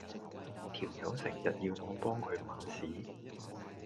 條友成日要我幫佢抆屎